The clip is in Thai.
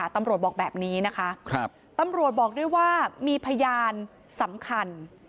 ตำรวจบอกแบบนี้นะคะตำรวจบอกด้วยว่ามีพยานสำคัญ